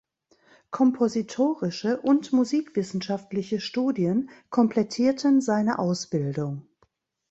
Kompositorische und musikwissenschaftliche Studien komplettierten seine Ausbildung.